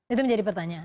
itu menjadi pertanyaan